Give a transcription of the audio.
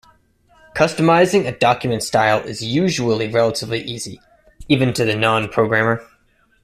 Customizing a document style is usually relatively easy, even to the non-programmer.